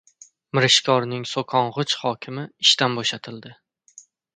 Mirishkorning so‘kong‘ich hokimi ishdan bo‘shatildi